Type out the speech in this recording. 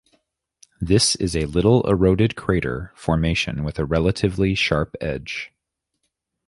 This is a little-eroded crater formation with a relatively sharp edge.